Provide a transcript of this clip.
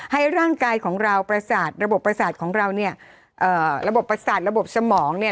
ให้ร่างกายของเราประสาทระบบประสาทของเราเนี่ยเอ่อระบบประสาทระบบสมองเนี่ย